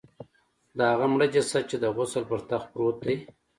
د هغه مړه جسد چې د غسل پر تخت پروت دی.